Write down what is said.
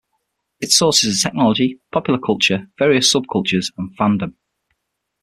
Its sources are technology, popular culture, various sub-cultures, and fandom.